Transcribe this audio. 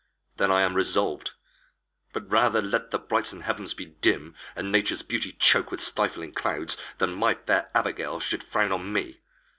then I am resolv'd: But rather let the brightsome heavens be dim, And nature's beauty choke with stifling clouds, Than my fair Abigail should frown on me.